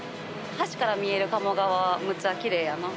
橋から見える鴨川はむっちゃきれいやな。